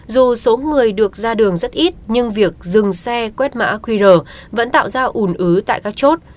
dù số người được ra đường rất ít nhưng việc dừng xe quét mã qr vẫn tạo ra ủn ứ tại các chốt